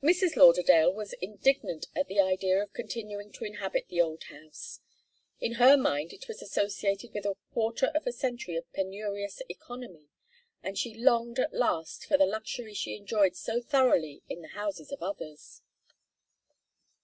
Mrs. Lauderdale was indignant at the idea of continuing to inhabit the old house. In her mind it was associated with a quarter of a century of penurious economy, and she longed at last for the luxury she enjoyed so thoroughly in the houses of others.